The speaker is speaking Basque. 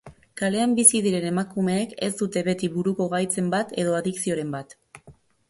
Kalean bizi diren emakumeek ez dute beti buruko gaitzen bat edo adikzioren bat.